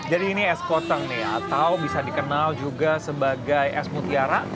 ini es poteng nih atau bisa dikenal juga sebagai es mutiara